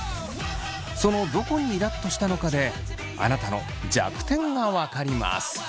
そのどこにイラっとしたのかであなたの弱点が分かります。